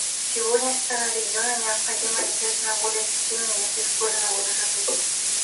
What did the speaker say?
Сегодня странам региона необходимо ориентироваться на более эффективные методы использования водных ресурсов.